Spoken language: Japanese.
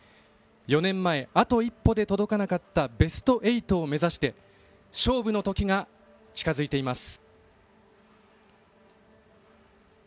４年前あと一歩で届かなかったベスト８を目指して勝負の時が近づいています。